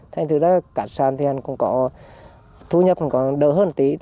thành ra cát sản thì thu nhập còn đỡ hơn tí